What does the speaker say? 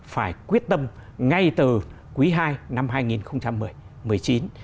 phải quyết tâm ngay từ quý vị